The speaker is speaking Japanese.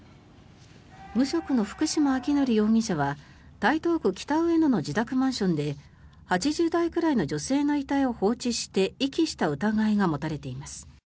無職の福島昭則容疑者は台東区北上野の自宅マンションで８０代くらいの女性の遺体を放置して遺棄した疑いが持たれています。